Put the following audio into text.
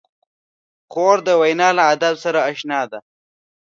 خور د وینا له ادب سره اشنا ده.